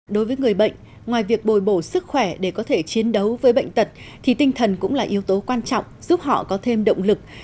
đối với người bệnh ngoài việc bồi bổ sức khỏe để có thể chiến đấu với bệnh tật thì tinh thần cũng là yếu tố quan trọng giúp họ có thêm động lực